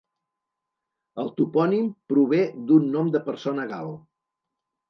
El topònim prové d'un nom de persona gal.